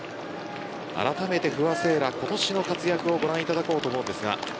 あらためて、不破聖衣来今年の活躍をご覧いただこうと思います。